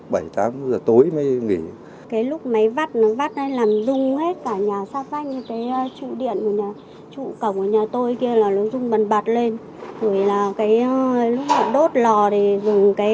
và than nữa bụi hết xung quanh hàng xóm